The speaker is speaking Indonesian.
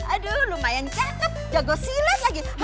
aduh lumayan cakep jago silat lagi